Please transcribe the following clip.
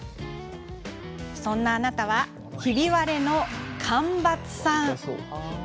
そんなあなたはひび割れの干ばつさん。